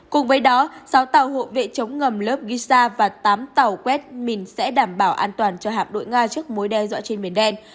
cùng với đó sáu tàu hộ vệ chống ngầm lớp gisa và tám tàu quét mình sẽ đảm bảo an toàn cho hạm đội nga trước mối đe dọa trên biển đen